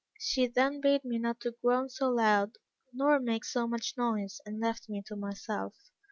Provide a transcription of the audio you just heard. She then bade me not to groan so loud, nor make so much noise, and left me to myself.